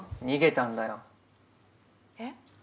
逃げたんだよえっ？